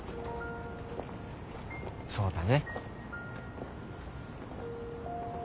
そうだね。